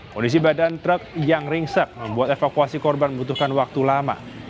kondisi badan truk yang ringsek membuat evakuasi korban membutuhkan waktu lama